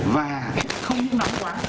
và không những nóng quá